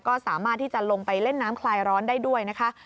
ก็สามารถที่จะลงไปเล่นน้ำคลายร้อนได้ด้วยนะคะ